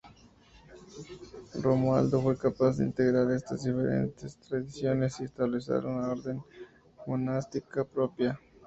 Romualdo fue capaz de integrar estas diferentes tradiciones y establecer una orden monástica propia.